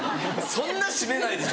そんな締めないでしょ